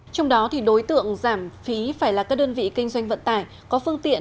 trong đó đối tượng giảm phí phải là các đơn vị kinh doanh vận tải có phương tiện